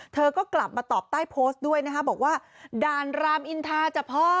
เธอก็กลับมาตอบใต้โพสต์ด้วยนะคะบอกว่าด่านรามอินทาจ้ะพ่อ